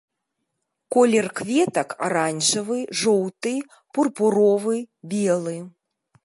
Колер кветак аранжавы, жоўты, пурпуровы, белы.